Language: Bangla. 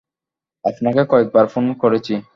আপনাকে কয়েকবার ফোন করেছি।